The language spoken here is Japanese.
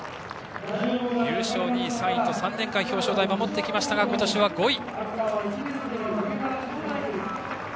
優勝、２位、３位と３年間、表彰台を守ってきましたが今年は５位。